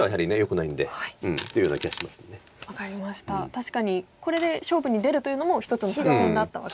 確かにこれで勝負に出るというのも一つの作戦だったわけですね。